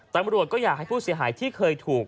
ตำรวจก็อยากให้ผู้เสียหายที่เคยถูก